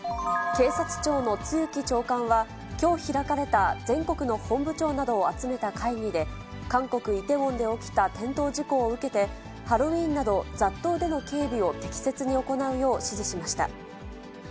警察庁の露木長官は、きょう開かれた全国の本部長などを集めた会議で、韓国・イテウォンで起きた転倒事故を受けて、ハロウィーンなど、雑踏での警備を適切に行うよう指示しました。